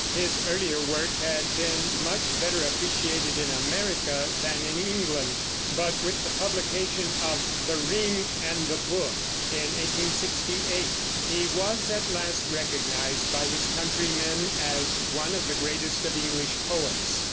His earlier work had been much better appreciated in America than in England; but with the publication of The Ring and the Book, in 1868, he was at last recognized by his countrymen as one of the greatest of English poets.